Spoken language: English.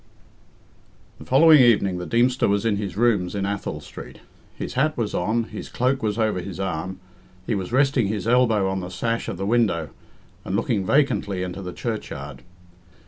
The following evening the Deemster was in his rooms in Athol Street. His hat was on, his cloak was over his arm, he was resting his elbow on the sash of the window and looking vacantly into the churchyard.